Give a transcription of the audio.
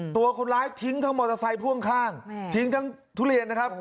ตัวคนร้ายทิ้งทั้งมอเตอร์ไซค์พ่วงข้างทิ้งทั้งทุเรียนนะครับ